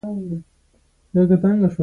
طالبان د خلکو د ژوند د ښه والي لپاره هڅې کوي.